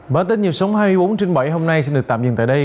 bản tin dịp sống hai mươi bốn h trên bảy hôm nay sẽ được tạm dừng tại đây